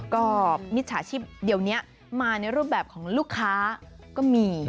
ก็มิจฉาชีพเดี๋ยวนี้มาในรูปแบบของลูกค้าก็มี